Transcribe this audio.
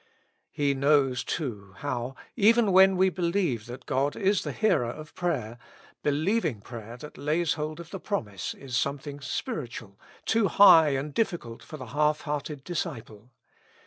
He knows too how, 41 With Christ in the School of Prayer. even when we believe that God is the hearer of prayer, beheving prayer that lays hold of the promise, is something spiritual, too high and difficult for the half hearted disciple.